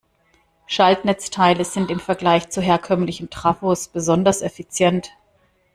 Schaltnetzteile sind im Vergleich zu herkömmlichen Trafos besonders effizient.